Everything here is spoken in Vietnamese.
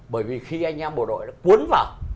bởi vì khi anh em bộ đội cuốn vào